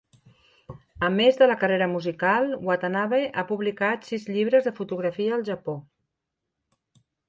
A més de la carrera musical, Watanabe ha publicat sis llibres de fotografia al Japó.